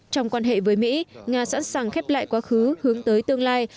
trong quan hệ với mỹ nga sẵn sàng khép lại quá khứ hướng tới tương lai